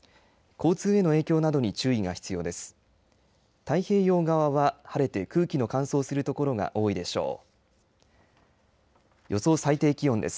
交通への影響などに注意が必要です。